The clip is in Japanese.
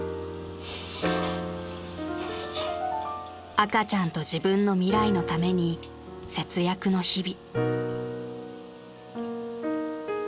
［赤ちゃんと自分の未来のために節約の日々］